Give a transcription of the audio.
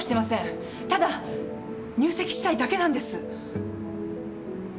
ただ入籍したいだけなんです。